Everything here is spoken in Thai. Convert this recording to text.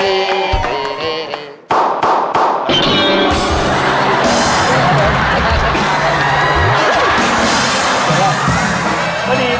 อาหารการกิน